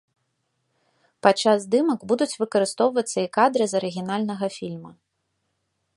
Падчас здымак будуць выкарыстоўвацца і кадры з арыгінальнага фільма.